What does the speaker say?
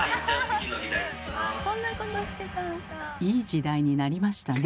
いい時代になりましたね。